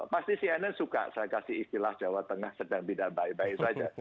pasti cnn suka saya kasih istilah jawa tengah sedang tidak baik baik saja